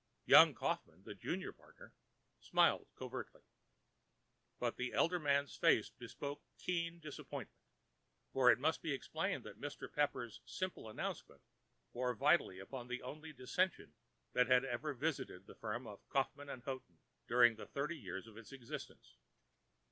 Young Kaufmann, the junior partner, smiled covertly. But the elder man's face bespoke keen disappointment. For it must be explained that Mr. Pepper's simple announcement bore vitally upon the only dissension that had ever visited the firm of Kaufmann & Houghton during the thirty years of its existence.